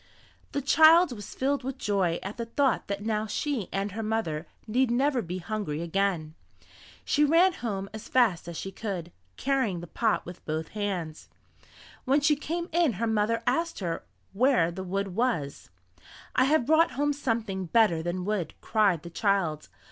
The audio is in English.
The child was filled with joy at the thought that now she and her mother need never be hungry again. She ran home as fast as she could, carrying the pot with both hands. When she came in her mother asked her where the wood was. "I have brought home something better than wood," cried the child.